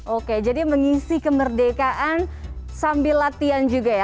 oke jadi mengisi kemerdekaan sambil latihan juga ya